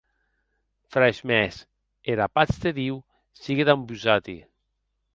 Frairs mèns, era patz de Diu sigue damb vosati.